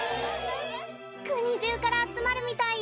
くにじゅうからあつまるみたいよ。